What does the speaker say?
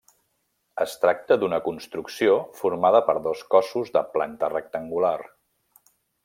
Es tracta d'una construcció formada per dos cossos de planta rectangular.